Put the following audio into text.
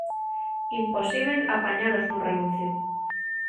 Imposíbel apañalos nun renuncio.